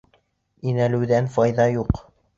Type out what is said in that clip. Инәлеүҙән файҙа юҡ.